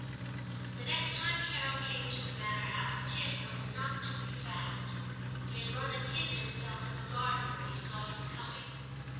The next time Carol came to the manor house Tim was not to be found ; he had run and hidden himself in the garden when he saw him coming.